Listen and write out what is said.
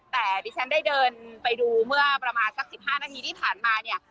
แต่ดิฉันได้เดินไปดูเมื่อประมาณสัก๑๕นาทีที่ผ่านมาเนี่ย